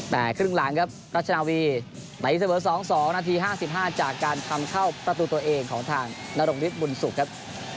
แต่ครึ่งหลังครับรัชนาวีตีเสมอ๒๒นาที๕๕จากการทำเข้าประตูตัวเองของทางนรงฤทธิบุญสุขครับ